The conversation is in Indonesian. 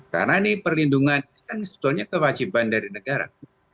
karena ini perlindungan kan sebetulnya kewajiban dari negara